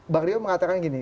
bang rio mengatakan gini